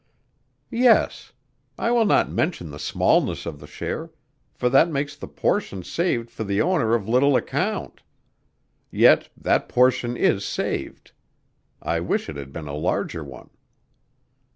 "Yes. I will not mention the smallness of the share, for that makes the portion saved for the owner of little account. Yet that portion is saved. I wish it had been a larger one."